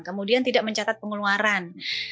kemudian tidak mencatat pengeluaran